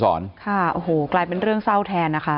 ค่ะโอ้โหกลายเป็นเรื่องเศร้าแทนนะคะ